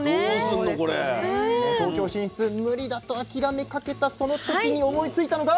東京進出無理だと諦めかけたその時に思いついたのが。